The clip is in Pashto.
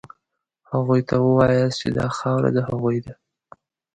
هغوی ته ووایاست چې دا خاوره د هغوی ده.